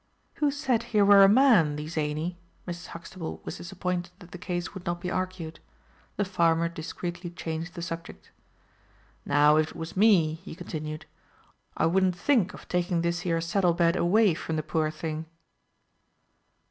"Who said her were a man, thee zany?" Mrs. Huxtable was disappointed that the case would not be argued. The farmer discreetly changed the subject. "Now, if it was me," he continued, "I wouldn't think of taking this here settle bed away from the poor thing."